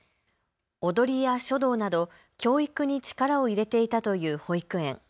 踊りや書道など教育に力を入れていたという保育園。